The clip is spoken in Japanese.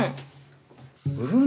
うん。